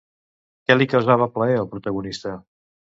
Què li causava plaer al protagonista?